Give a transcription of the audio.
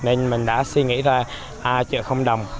nên mình đã suy nghĩ ra trợ không đồng